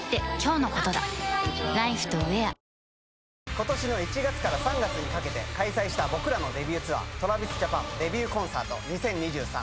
ことしの１月から３月にかけて開催した僕らのデビューツアー『ＴｒａｖｉｓＪａｐａｎＤｅｂｕｔＣｏｎｃｅｒｔ２０２３